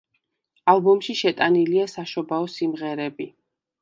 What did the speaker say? ალბომში შეტანილია საშობაო სიმღერები.